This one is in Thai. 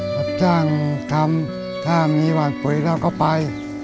พรับจ้างทำถ้ามีวันปุ๋ยแล้วก็ไป